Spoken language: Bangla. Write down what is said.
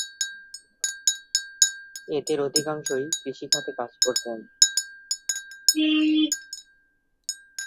এদের অধিকাংশই কৃষি খাতে কাজ করতেন।